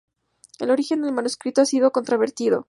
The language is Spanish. El origen del manuscrito ha sido controvertido.